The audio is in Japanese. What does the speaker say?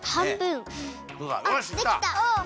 あっできた。